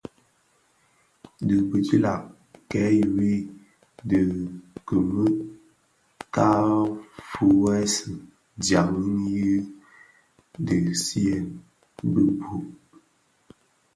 Di bidilag kè yui di kimü ka fuwèsi dyaňdi i ndegsiyèn bi bug.